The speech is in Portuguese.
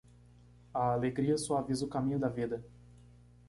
A alegria suaviza o caminho da vida.